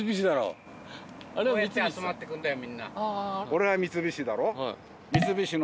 俺は三菱だろ。